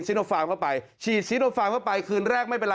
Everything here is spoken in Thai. สิ้นฟารก์เข้าไปฉีดสินฟารไปขึ้นแรกไม่เป็น